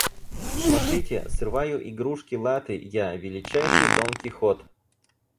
Смотрите — срываю игрушки-латы я, величайший Дон-Кихот!